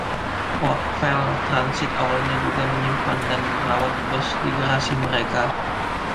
Oakville Transit awalnya juga menyimpan dan merawat bus di garasi mereka.